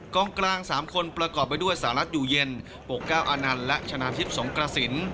กลางกลาง๓คนประกอบไปด้วยสหรัฐอยู่เย็นปกเก้าอานันต์และชนะทิพย์สงกระสิน